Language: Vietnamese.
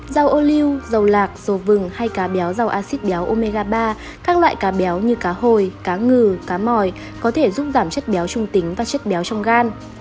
rau oleo rau lạc rau vừng hay cá béo rau axit béo omega ba các loại cá béo như cá hồi cá ngừ cá mòi có thể giúp giảm chất béo trung tính và chất béo trong gan